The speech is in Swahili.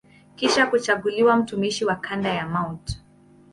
Kisha kuchaguliwa mtumishi wa kanda ya Mt.